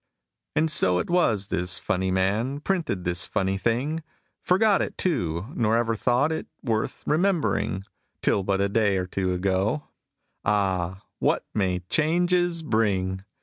And so it was this funny man Printed this funny thing Forgot it, too, nor ever thought It worth remembering, Till but a day or two ago. (Ah! what may changes bring!)